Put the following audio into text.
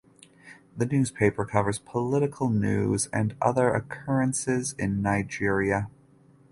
The Newspaper covers political News and other occurrences in Nigeria.